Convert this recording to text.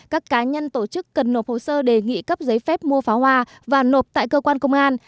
các cá nhân tổ chức cần nộp hồ sơ đề nghị cấp giấy phép mua pháo hoa và nộp tại cơ quan công an